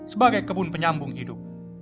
sampai jumpa di video selanjutnya